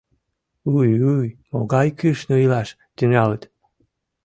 Уй-уй, могай кӱшнӧ илаш тӱҥалыт.